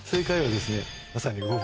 まさに。